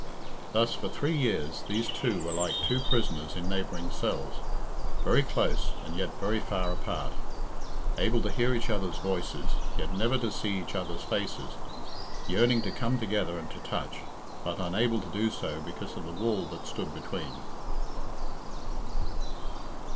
Thus for three years these two were like two prisoners in neighbouring cells, very close and yet very far apart, able to hear each other's voices, yet never to see each other's faces, yearning to come together and to touch, but unable to do so because of the wall that stood between.